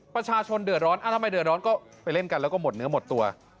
ประชาชนเดือดร้อนทำไมเดือดร้อนก็ไปเล่นกันแล้วก็หมดเนื้อหมดตัว